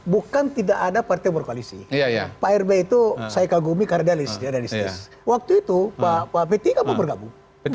bukan tidak ada partai berkoalisi pak arb itu saya kagumi kardialis waktu itu pak pt kan mau bergabung